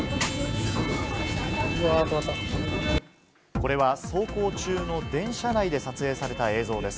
これは走行中の電車内で撮影された映像です。